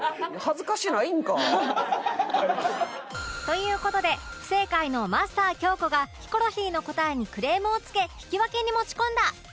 という事で不正解のマスター京子がヒコロヒーの答えにクレームをつけ引き分けに持ち込んだ